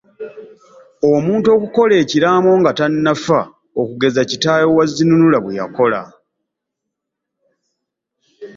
Omuntu okukola ekiraamo nga tannafa okugeza kitaawe wa Zinunula bwe yakola.